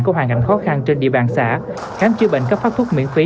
có hoàn cảnh khó khăn trên địa bàn xã khám chữa bệnh cấp phát thuốc miễn phí